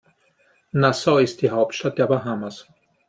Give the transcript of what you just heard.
Nassau ist die Hauptstadt der Bahamas.